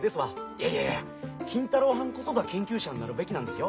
「いやいやいや金太郎はんこそが研究者になるべきなんですよ。